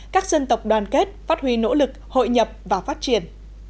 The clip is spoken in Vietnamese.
các dân tộc đoàn kết phát huy nỗ lực hội nhập và phát triển